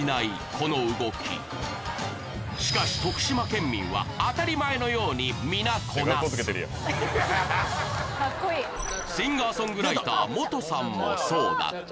この動きしかし徳島県民は当たり前のように皆こなすシンガーソングライターモトさんもそうだった